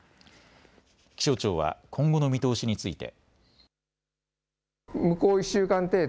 気象庁は今後の見通しについて。